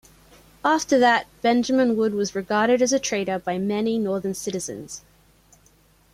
After that Benjamin Wood was regarded as a traitor by many northern citizens.